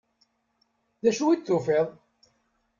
D acu i d-tufiḍ?